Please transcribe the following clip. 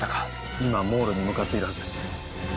今モールに向かっているはずです。